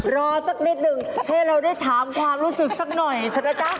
รอสักนิดหนึ่งให้เราได้ถามความรู้สึกสักหน่อยเถอะนะจ๊ะ